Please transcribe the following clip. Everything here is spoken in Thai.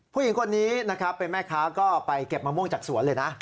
ผู้หญิงคนนี้นะครับเป็นแม่ค้าก็ไปเก็บมะม่วงจากสวนเลยนะ